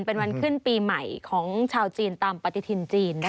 เป็นวันขึ้นปีใหม่ของชาวจีนตามปฏิทินจีนนะคะ